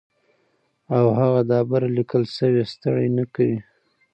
او هغه دا بره ليکلے شوي ستړې نۀ کوي